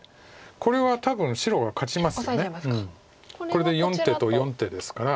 これで４手と４手ですから。